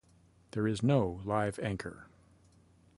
There is no live anchor.